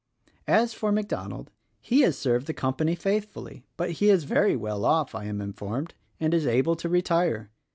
"As for MacDonald, he has served the company faith fully; but he is very well off, I am informed, and is able to retire.